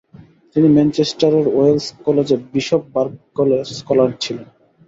তিনি ম্যানচেস্টারের ওয়েলস কলেজে বিশপ বার্কলে স্কলার ছিলেন।